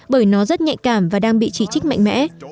bởi nó rất nhạy cảm và đang bị chỉ trích mạnh mẽ